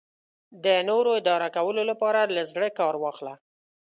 د نورو اداره کولو لپاره له زړه کار واخله.